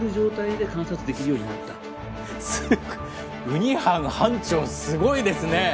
ウニ班班長、すごいですね。